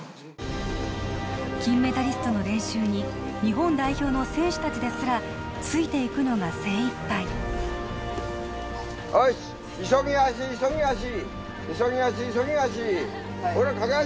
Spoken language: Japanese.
金メダリストの練習に日本代表の選手たちですらついていくのが精いっぱいよしほら駆け足しろ駆け足